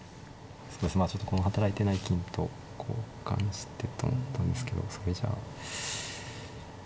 ちょっとこの働いてない金と交換してと思ったんですけどそれじゃあ。